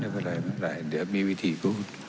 ไม่เป็นไรไม่เป็นไรเดี๋ยวมีวิธีก็